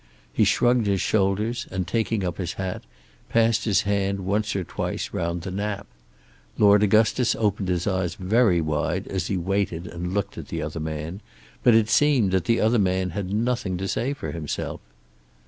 He shrugged his shoulders, and, taking up his hat, passed his hand once or twice round the nap. Lord Augustus opened his eyes very wide as he waited and looked at the other man; but it seemed that the other man had nothing to say for himself.